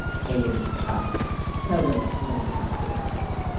Aline, child, tell them what you want them to do."